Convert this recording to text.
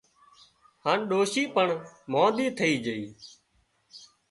هانَ ڏوشي پڻ مانۮِي ٿئي جھئي